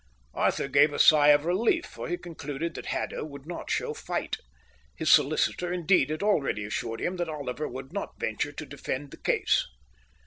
Arthur gave a sigh of relief, for he concluded that Haddo would not show fight. His solicitor indeed had already assured him that Oliver would not venture to defend the case.